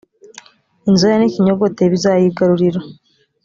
inzoya n ikinyogote bizayigarurira